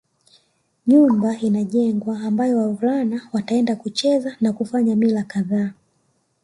Nyumba inajengwa ambayo wavulana wataenda kucheza na kufanya mila kadhaa